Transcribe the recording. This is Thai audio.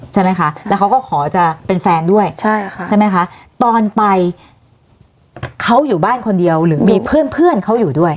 ใช่ไหมคะแล้วเขาก็ขอจะเป็นแฟนด้วยใช่ค่ะใช่ไหมคะตอนไปเขาอยู่บ้านคนเดียวหรือมีเพื่อนเพื่อนเขาอยู่ด้วย